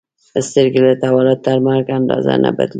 سترګې له تولد تر مرګ اندازه نه بدلېږي.